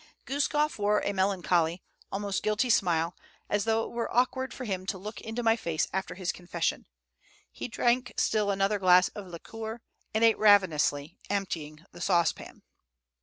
Guskof wore a melancholy, almost guilty smile as though it were awkward for him to look into my face after his confession. He drank still another glass of liquor, and ate ravenously, emptying the saucepan.